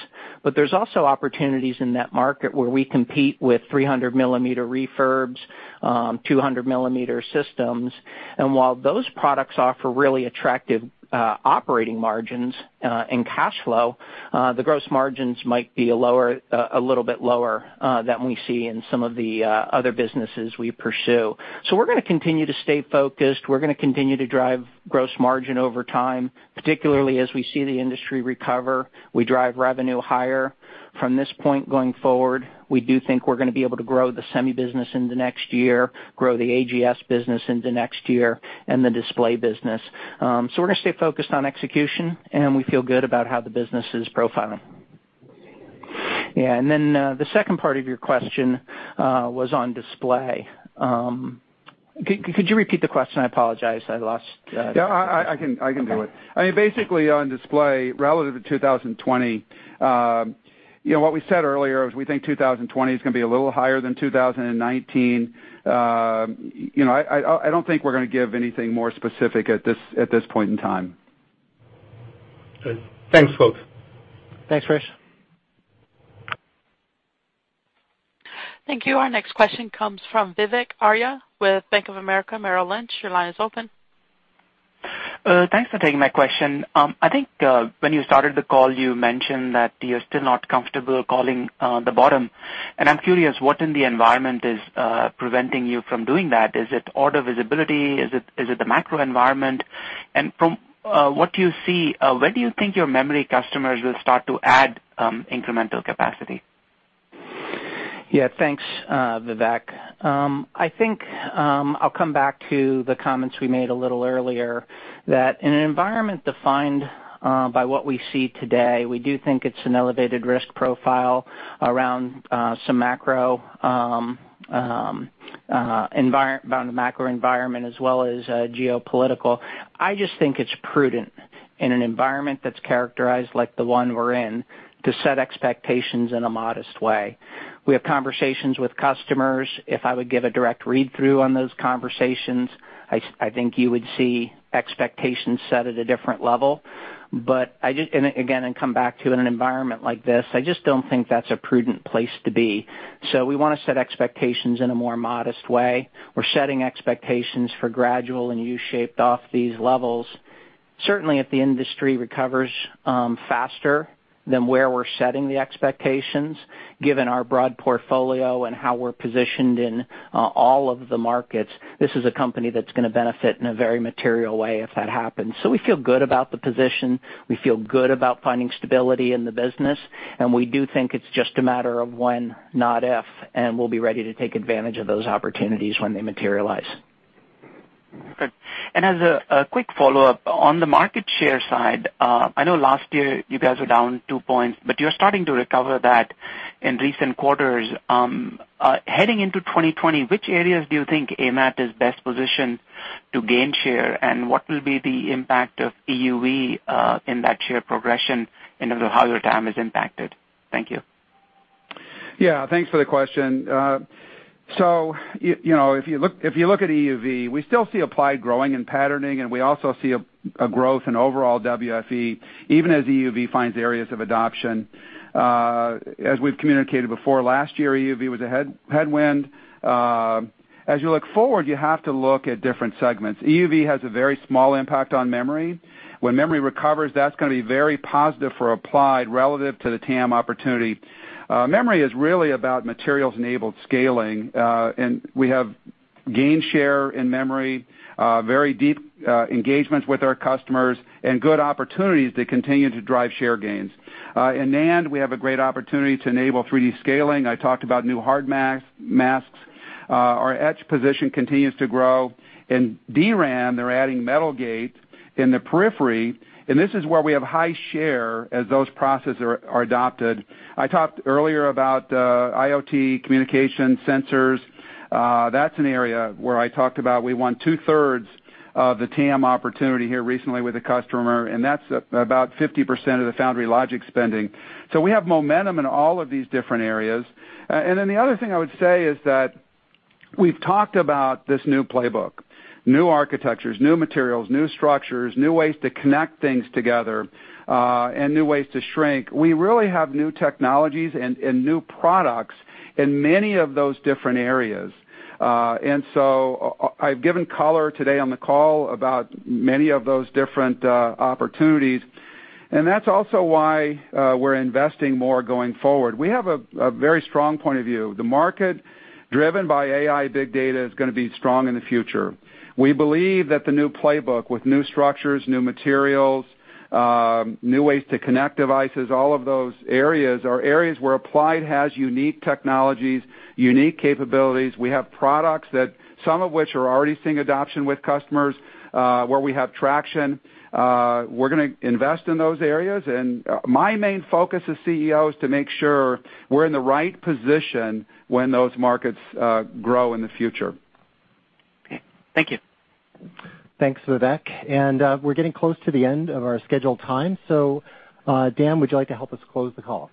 There's also opportunities in that market where we compete with 300-millimeter refurbs, 200-millimeter systems. While those products offer really attractive operating margins and cash flow, the gross margins might be a little bit lower than we see in some of the other businesses we pursue. We're going to continue to stay focused. We're going to continue to drive gross margin over time, particularly as we see the industry recover. We drive revenue higher. From this point going forward, we do think we're going to be able to grow the Semi business in the next year, grow the AGS business in the next year, and the display business. We're going to stay focused on execution, and we feel good about how the business is profiling. The second part of your question was on display. Could you repeat the question? Yeah, I can do it. Okay. Basically, on display relative to 2020, what we said earlier is we think 2020 is going to be a little higher than 2019. I don't think we're going to give anything more specific at this point in time. Good. Thanks, folks. Thanks, Krish. Thank you. Our next question comes from Vivek Arya with Bank of America Merrill Lynch. Your line is open. Thanks for taking my question. I think, when you started the call, you mentioned that you're still not comfortable calling the bottom, and I'm curious what in the environment is preventing you from doing that? Is it order visibility? Is it the macro environment? From what you see, when do you think your memory customers will start to add incremental capacity? Yeah. Thanks, Vivek. I think I'll come back to the comments we made a little earlier that in an environment defined by what we see today, we do think it's an elevated risk profile around the macro environment as well as geopolitical. I just think it's prudent in an environment that's characterized like the one we're in to set expectations in a modest way. We have conversations with customers. If I would give a direct read-through on those conversations, I think you would see expectations set at a different level. Again, and come back to in an environment like this, I just don't think that's a prudent place to be. We want to set expectations in a more modest way. We're setting expectations for gradual and U-shaped off these levels. Certainly, if the industry recovers faster than where we're setting the expectations, given our broad portfolio and how we're positioned in all of the markets, this is a company that's going to benefit in a very material way if that happens. We feel good about the position, we feel good about finding stability in the business, and we do think it's just a matter of when, not if, and we'll be ready to take advantage of those opportunities when they materialize. Good. As a quick follow-up, on the market share side, I know last year you guys were down two points, but you're starting to recover that in recent quarters. Heading into 2020, which areas do you think AMAT is best positioned to gain share? What will be the impact of EUV in that share progression in terms of how your TAM is impacted? Thank you. Thanks for the question. If you look at EUV, we still see Applied growing in patterning, and we also see a growth in overall WFE, even as EUV finds areas of adoption. As we've communicated before, last year, EUV was a headwind. As you look forward, you have to look at different segments. EUV has a very small impact on memory. When memory recovers, that's going to be very positive for Applied relative to the TAM opportunity. Memory is really about materials-enabled scaling. We have gain share in memory, very deep engagements with our customers, and good opportunities to continue to drive share gains. In NAND, we have a great opportunity to enable 3D scaling. I talked about new hard masks. Our etch position continues to grow. In DRAM, they're adding metal gate in the periphery, and this is where we have high share as those processes are adopted. I talked earlier about IoT communication sensors. That's an area where I talked about we won two-thirds of the TAM opportunity here recently with a customer, and that's about 50% of the foundry logic spending. We have momentum in all of these different areas. The other thing I would say is that we've talked about this new playbook, new architectures, new materials, new structures, new ways to connect things together, and new ways to shrink. We really have new technologies and new products in many of those different areas. I've given color today on the call about many of those different opportunities, and that's also why we're investing more going forward. We have a very strong point of view. The market, driven by AI, big data, is going to be strong in the future. We believe that the new playbook with new structures, new materials, new ways to connect devices, all of those areas are areas where Applied has unique technologies, unique capabilities. We have products that some of which are already seeing adoption with customers, where we have traction. We're going to invest in those areas, and my main focus as CEO is to make sure we're in the right position when those markets grow in the future. Okay. Thank you. Thanks, Vivek. We're getting close to the end of our scheduled time. Dan, would you like to help us close the call?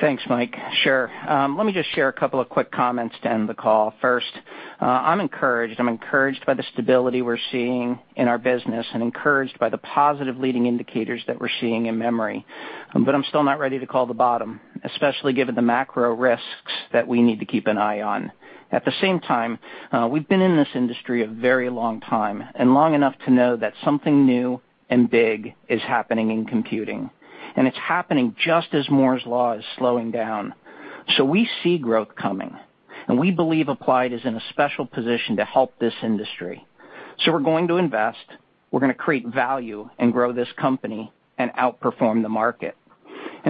Thanks, Mike. Sure. Let me just share a couple of quick comments to end the call. I'm encouraged. I'm encouraged by the stability we're seeing in our business and encouraged by the positive leading indicators that we're seeing in memory. I'm still not ready to call the bottom, especially given the macro risks that we need to keep an eye on. At the same time, we've been in this industry a very long time and long enough to know that something new and big is happening in computing, and it's happening just as Moore's Law is slowing down. We see growth coming, and we believe Applied is in a special position to help this industry. We're going to invest, we're going to create value and grow this company and outperform the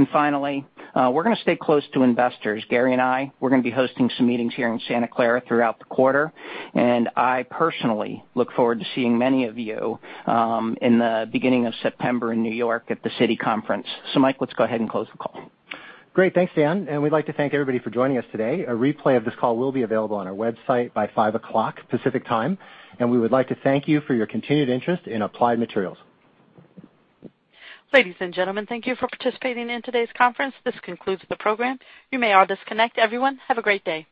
market. Finally, we're going to stay close to investors. Gary and I, we're going to be hosting some meetings here in Santa Clara throughout the quarter, and I personally look forward to seeing many of you in the beginning of September in New York at the Citi conference. Mike, let's go ahead and close the call. Great. Thanks, Dan. We'd like to thank everybody for joining us today. A replay of this call will be available on our website by five o'clock Pacific Time, and we would like to thank you for your continued interest in Applied Materials. Ladies and gentlemen, thank you for participating in today's conference. This concludes the program. You may all disconnect. Everyone, have a great day.